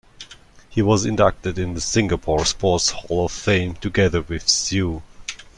He was inducted in the Singapore Sports Hall of Fame together with Siew.